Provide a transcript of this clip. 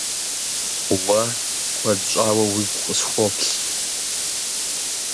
Уэ куэд щӏауэ уигу къысхуоплъ.